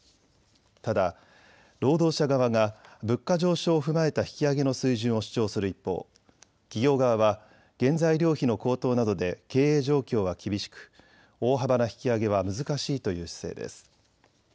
ただ、労働者側が物価上昇を踏まえた引き上げの水準を主張する一方、企業側は原材料費の高騰などで経営状況は厳しく大幅な引き上げは難しいという姿勢です。